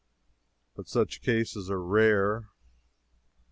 But such cases are rare.